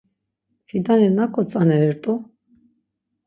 Fidani naǩu tzanerirt̆u?